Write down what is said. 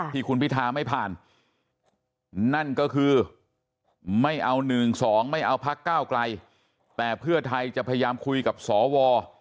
ที่คุณพิธาไม่ผ่านนั่นก็คือไม่เอา๑๒ไม่เอาพักก้าวไกลแต่เพื่อไทยจะพยายามคุยกับสว